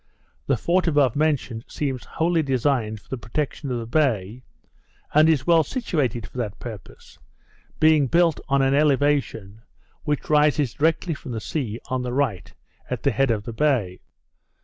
The fort above mentioned seems wholly designed for the protection of the bay, and is well situated for that purpose, being built on an elevation, which rises directly from the sea on the right, at the head of the bay.